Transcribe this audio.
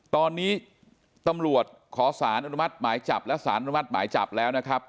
ตอนนี้ตำรวจขอสารอนุมัติหมายจับและสารอนุมัติหมายจับแล้วนะครับ